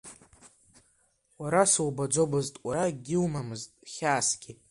Уара субаӡомызт, уара акгьы умамызт хьаасгьы…